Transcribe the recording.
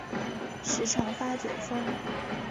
时常发酒疯